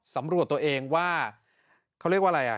ตำรวจตัวเองว่าเขาเรียกว่าอะไรอ่ะ